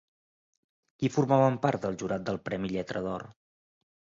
Qui formaven part del jurat del premi Lletra d'Or?